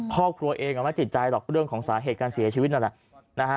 ครอบครัวเองไม่ติดใจหรอกเรื่องของสาเหตุการเสียชีวิตนั่นแหละนะฮะ